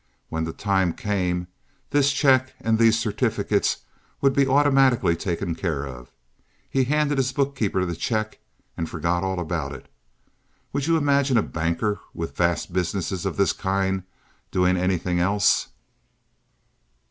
When the time came, this check and these certificates would be automatically taken care of. He handed his bookkeeper the check and forgot all about it. Would you imagine a banker with a vast business of this kind doing anything else?"